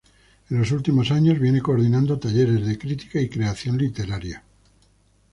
En los últimos años viene coordinando talleres de crítica y creación literaria.